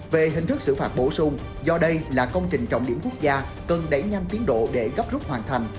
về hình thức xử phạt bổ sung do đây là công trình trọng điểm quốc gia cần đẩy nhanh tiến độ để gấp rút hoàn thành